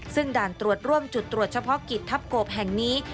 ซึ่งด่านตรวจร่วมจุดตรวจเฉพาะกิจทัพกบแห่งนี้